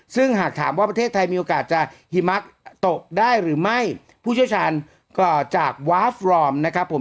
ซึ่งหากถามว่าประเทศไทยมีโอกาสจะหิมะตกได้หรือไม่ผู้เชี่ยวชาญก่อจากวาฟรอมนะครับผม